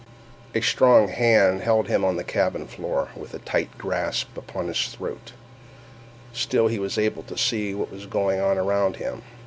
A strong hand held him on the cabin floor, with a tight grasp upon his throat; still he was able to see what was going on around him.